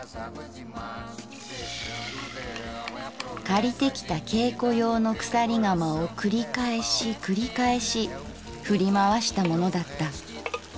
「借りてきた稽古用の鎖鎌をくり返しくり返しふりまわしたものだった。